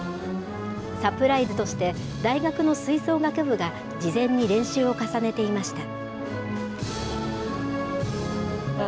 サプライズとして、大学の吹奏楽部が、事前に練習を重ねていました。